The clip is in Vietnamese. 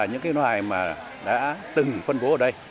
những cái loài mà đã từng phân bố ở đây